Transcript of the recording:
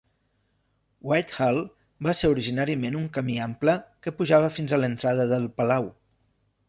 Whitehall va ser originàriament un camí ample que pujava fins a l'entrada del Palau.